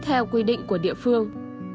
theo quy định của địa phương